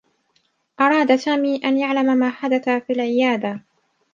أراد سامي أن يعلم ما حدث في العيادة.